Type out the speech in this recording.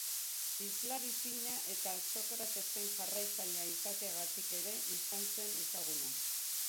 Hizlari fina eta Sokratesen jarraitzailea izateagatik ere izan zen ezaguna.